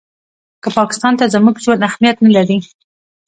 که پاکستان ته زموږ ژوند اهمیت نه لري.